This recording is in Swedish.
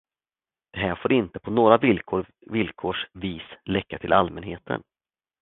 Det här får inte, på några villkors vis, läcka till allmänheten.